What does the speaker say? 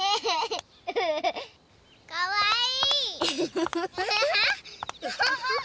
かわいい！